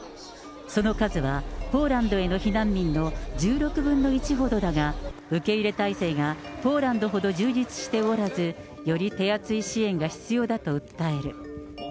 その数は、ポーランドへの避難民の１６分の１ほどだが、受け入れ態勢がポーランドほど充実しておらず、より手厚い支援が必要だと訴える。